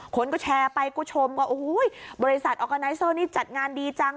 คนก็แชร์ไปก็ชมว่าโอ้โหบริษัทออร์กาไนเซอร์นี่จัดงานดีจัง